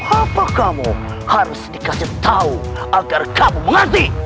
apa kamu harus dikasih tahu agar kamu mati